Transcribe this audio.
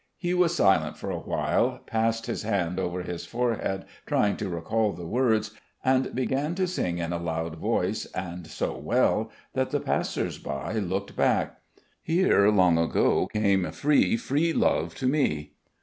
He was silent for a while, passed his hand over his forehead trying to recall the words, and began to sing in a loud voice and so well that the passers by looked back. "Here, long ago, came free, free love to me"...